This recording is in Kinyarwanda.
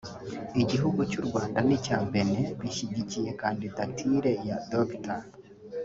Igihugu cy’u Rwanda n’icya Benin bishyigikiye kandidatire ya Dr